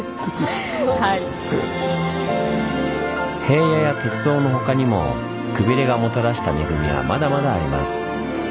平野や鉄道の他にもくびれがもたらした恵みはまだまだあります。